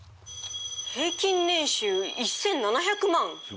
平均年収１，７００万！？